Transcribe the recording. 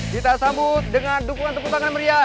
kita sambut dengan dukungan tepuk tangan meriah